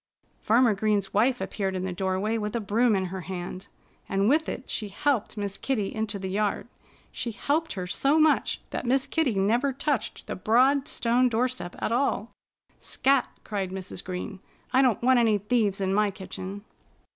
Farmer Green's wife appeared in the doorway with a broom in her hand. And with it she helped Miss Kitty into the yard. She helped her so much that Miss Kitty never touched the broad stone doorstep at all. "Scat!" cried Mrs. Green. "I don't want any thieves in my kitchen."